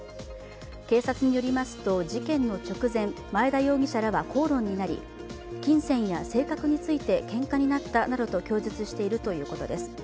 警察によりますと事件の直前、前田容疑者らは口論になり金銭や性格についてけんかになったなどと供述しているということです。